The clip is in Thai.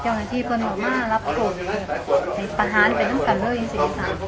เจ้าหน้าที่เพิ่งมารับโฆษณ์ในปัญหาเป็นต้องกันเลยอินสิทธิ์ค่ะ